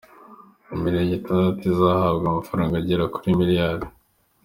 Imirenge itandatu izahabwa amafaranga agera kuri Miliyari